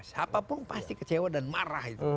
siapapun pasti kecewa dan marah